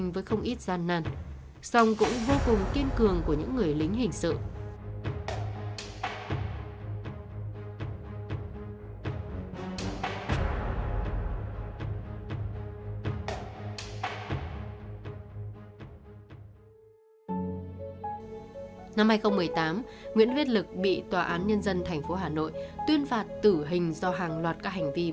và tôi cứ chạy sang hàng xóm kêu bạn qua đây